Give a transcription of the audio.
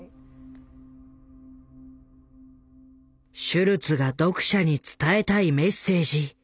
シュルツが読者に伝えたいメッセージ。